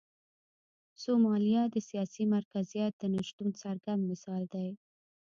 سومالیا د سیاسي مرکزیت د نشتون څرګند مثال دی.